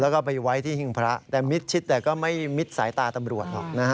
แล้วก็ไปไว้ที่หิ้งพระแต่มิดชิดแต่ก็ไม่มิดสายตาตำรวจหรอกนะฮะ